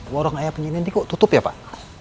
warung ayam ini kok tutup ya pak